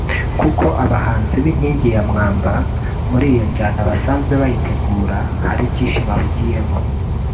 kuko abahanzi b’inkingi ya mwamba muri iyo njyana basanzwe bayitegura hari byinshi bahugiyemo